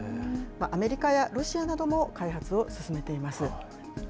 アメリカやロシアなども開発を進めています。